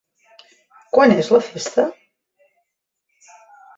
Quan és la festa?